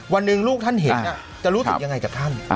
วันหนึ่งลูกท่านเห็นจะรู้สึกยังไงกับท่าน